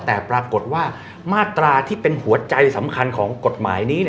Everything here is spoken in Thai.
แต่ปรากฏว่ามาตราที่เป็นหัวใจสำคัญของกฎหมายนี้